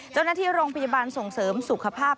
เจ้าหน้าที่โรงพยาบาลส่งเสริมสุขภาพ